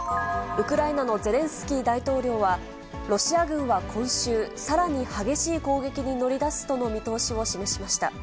ウクライナのゼレンスキー大統領は、ロシア軍は今週、さらに激しい攻撃に乗り出すとの見通しを示しました。